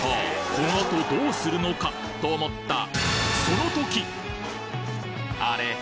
このあとどうするのか？と思ったあれ？